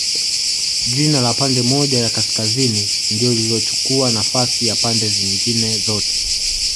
Jina la pande moja ya Kaskazini ndio lililochukua nafasi ya pande zingine zote